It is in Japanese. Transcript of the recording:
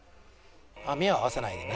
目を合わせないでね。